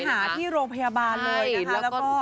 หาที่โรงพยาบาลเลยนะคะแล้วก็